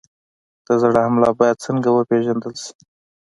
د زړه حمله باید څنګه وپېژندل شي؟